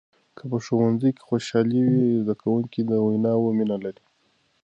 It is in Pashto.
که په ښوونځي کې خوشحالي وي، زده کوونکي د ویناوو مینه لري.